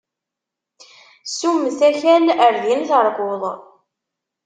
Ssummet akal, ar din terkuḍ.